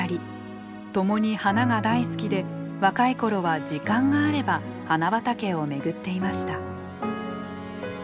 ともに花が大好きで若い頃は時間があれば花畑を巡っていました。